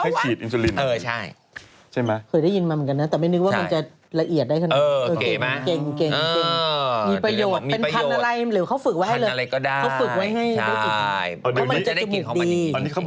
ให้ฉีดอินซูลินนะครับใช่ไหมครับ